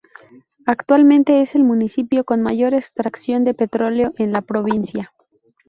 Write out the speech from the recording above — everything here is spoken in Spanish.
Actualmente es el municipio con mayor extracción de petróleo en la provincia.